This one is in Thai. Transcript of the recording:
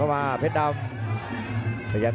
เหมือนแหว่นนะครับ